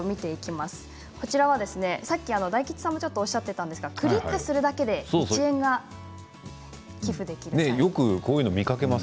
さっき大吉さんもおっしゃっていたんですがクリックするだけで１円が寄付できるんです。